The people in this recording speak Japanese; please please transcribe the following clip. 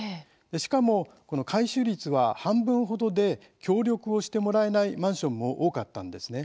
しかも、改修率は半分程で協力をしてもらえないマンションも多かったんです。